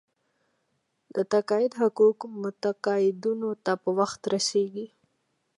د تقاعد حقوق متقاعدینو ته په وخت رسیږي.